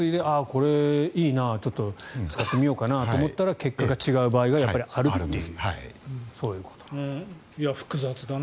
これちょっと使ってみようかなと思ったら結果が違う場合があるという。